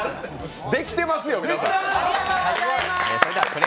できてますよ、皆さん！